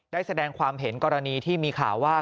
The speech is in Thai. ได้แสดงความเห็นกรณีที่มีข่าวว่า